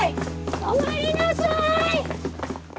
止まりなさい！